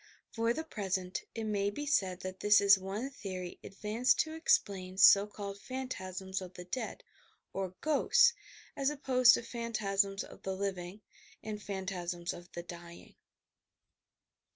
For the present it may be said that this is one theory advanced to explain so called phan tasms of the dead, or "ghosts," as opposed to phantasms of the living, and phantasms of the dying.